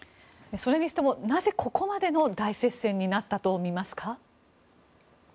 それにしても、なぜここまでの大接戦になったとみますか。